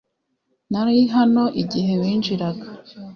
Nari hano igihe winjiraga